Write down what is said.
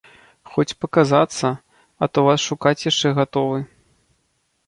Хоць паказацца, а то вас шукаць яшчэ гатовы.